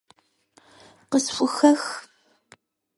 Къысхухэх!